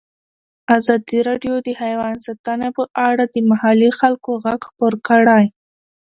ازادي راډیو د حیوان ساتنه په اړه د محلي خلکو غږ خپور کړی.